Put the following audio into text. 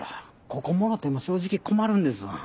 ここもろても正直困るんですわ。